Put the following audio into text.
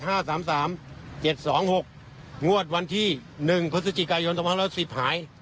หมวดวันที่๑พฤศจิกายนตร์๑๑๐หาย